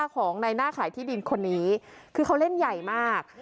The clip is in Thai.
ของในหน้าขายที่ดินคนนี้คือเขาเล่นใหญ่มาก